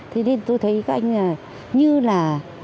thế nên tôi thấy các anh như là